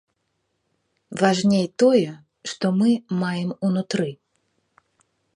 Важней тое, што мы маем унутры.